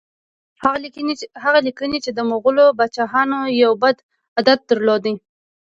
هغه لیکي چې د مغولو پاچاهانو یو بد عادت درلود.